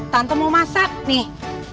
tante mau masak nih